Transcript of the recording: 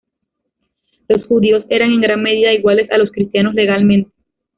Los judíos eran en gran medida iguales a los cristianos legalmente.